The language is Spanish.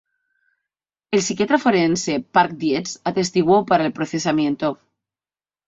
El psiquiatra forense Park Dietz atestiguó para el procesamiento.